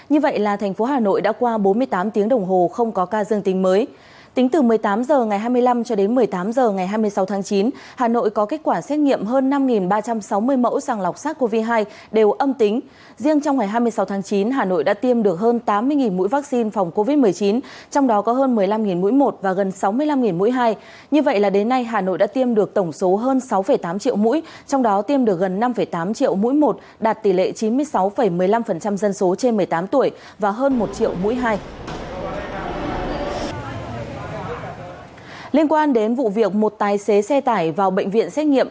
hãy đăng ký kênh để ủng hộ kênh của chúng mình nhé